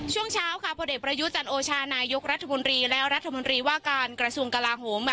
ช่วงเช้าค่ะพลเอกประยุจันโอชานายกรัฐมนตรีและรัฐมนตรีว่าการกระทรวงกลาโหม